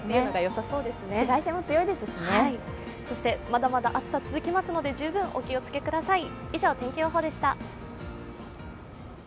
まだまだ暑さ続きますので、十分お気をつけください。